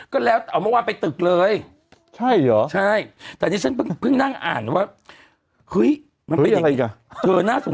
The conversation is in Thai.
ก็แล้วเอามาว่าไปตึกเลยใช่หรอใช่แต่ที่ฉันเพิ่งพึ่งนั่งอ่านว่าเฮ้ยมันเป็นอะไรกัน